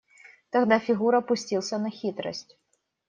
Тогда Фигура пустился на хитрость.